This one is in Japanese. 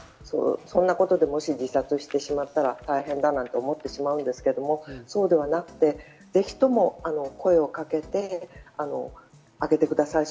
そんなことでもし自殺してしまったら大変だなんて思ってしまうんですけど、そうではなくてぜひとも声をかけてあげてください。